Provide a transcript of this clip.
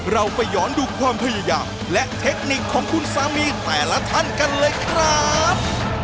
เราไปย้อนดูความพยายามและเทคนิคของคุณสามีแต่ละท่านกันเลยครับ